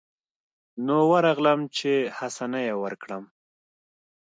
نو ورغلم چې حسنه يې ورکړم.